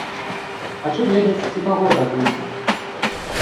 Хачу ведаць, ці пагода будзе.